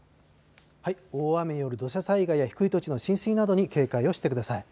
大雨による土砂災害や低い土地の浸水などに警戒をしてください。